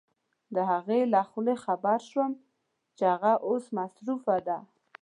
د هغې له خولې خبر شوم چې هغه اوس مصروفه ده.